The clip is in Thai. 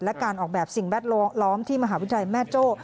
และการออกแบบสิ่งแวดล้อมล้อมที่มหาวิทยาลัยแม่โจ้